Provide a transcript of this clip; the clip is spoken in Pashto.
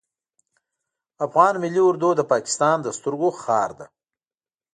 افغان ملی اردو د پاکستان د سترګو خار ده